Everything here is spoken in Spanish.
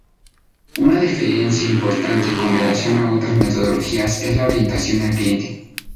Una diferencia importante con relación a otras metodologías es la "orientación al cliente".